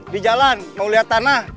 di jalan mau lihat tanah